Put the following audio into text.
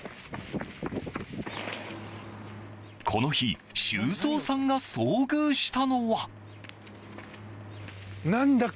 この日修造さんが遭遇したのは。